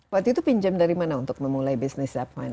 waktu itu pinjam dari mana untuk memulai bisnis apa